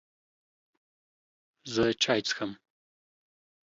زه چای څښم